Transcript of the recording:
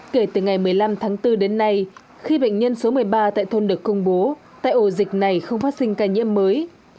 kể từ ngày một mươi năm tháng bốn đến nay khi bệnh nhân số một mươi ba tại thôn được công bố tại ổ dịch này không phát sinh ca nhiễm mới